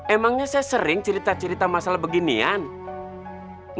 emangnya saya sering cerita cerita masalah beginian